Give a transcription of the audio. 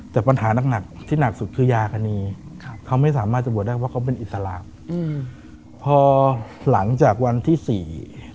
แต่ปัญหานักที่หนักสุดคือยากณี